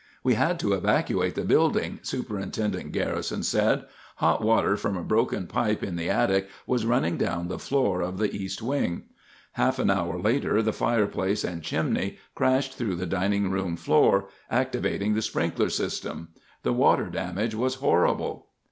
"We had to evacuate the building," Superintendent Garrison said. "Hot water from a broken pipe in the attic was running down the floor of the east wing. Half an hour later the fireplace and chimney crashed through the dining room floor, activating the sprinkler system. The water damage was horrible.